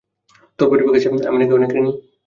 তোর পরিবারের কাছে নাকি আমি অনেক ঋণী।